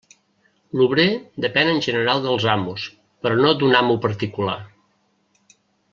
L'obrer depèn en general dels amos, però no d'un amo particular.